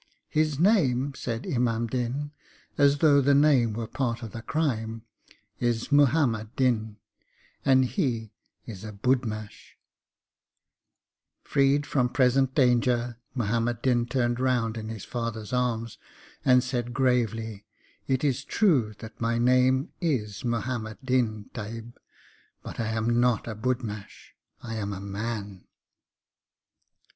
'His name,' said Imam Din, as though the name were part of the crime, 'is Muhammad Din, and he is a budmash.' Freed from present danger, Muhammad Din turned round in his father's arms, and said gravely, 'It is true that my name is Muhammad Din, Tahib, but I am not a budmash. I am a man!'